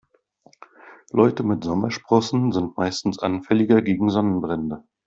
Leute mit Sommersprossen sind meistens anfälliger gegen Sonnenbrände.